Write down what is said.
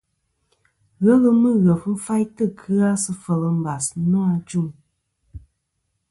Ghelɨ Mughef fayntɨ kɨ-a sɨ fel mbas nô ajuŋ.